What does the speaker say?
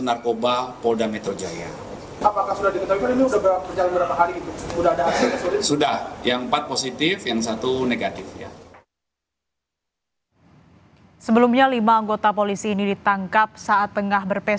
yang kedua dilakukan pendalaman oleh direkturat reserse